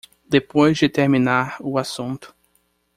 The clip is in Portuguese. Depois de terminar o assunto